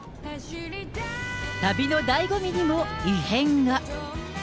旅のだいご味にも異変が。